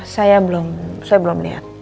saya belum saya belum lihat